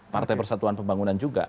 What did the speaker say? partai persatuan pembangunan juga